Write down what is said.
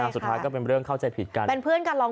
สุดท้ายก็เป็นเรื่องเข้าใจผิดกัน